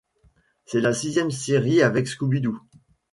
C'est la sixième série avec Scooby-Doo.